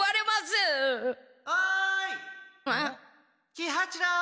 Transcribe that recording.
喜八郎！